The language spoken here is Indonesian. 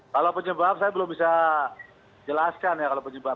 kalau penyebab saya belum bisa jelaskan ya kalau penyebab